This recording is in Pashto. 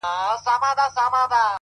صبر د لوړو موخو تر ټولو قوي ملګری دی